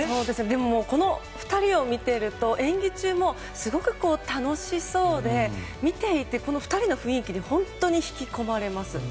でもこの２人を見ていると演技中もすごく楽しそうで見ていて２人の雰囲気に本当に引き込まれます。